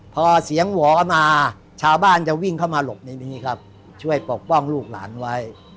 พอเสียงหวอมาชาวบ้านจะวิ่งเข้ามาหลบในนี้ครับช่วยปกป้องลูกหลานไว้